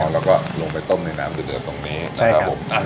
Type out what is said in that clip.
แล้วก็ลงไปต้มในน้ำหรือเหนือตรงนี้ใช่ครับนะครับอ่า